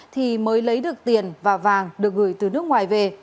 thì mới lấy được tiền và vàng được gửi từ nước ngoài về